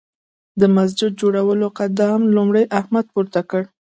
د مسجد جوړولو قدم لومړی احمد پورته کړ.